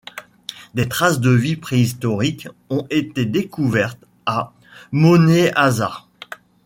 Des traces de vie préhistoriques ont été découvertes à Moneasa.